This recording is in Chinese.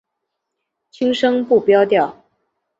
轻声不标调。